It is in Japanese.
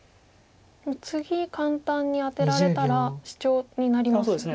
次簡単にアテられたらシチョウになりますね。